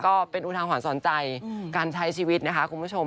ก็เป็นอุทาหรณ์สอนใจการใช้ชีวิตนะคะคุณผู้ชม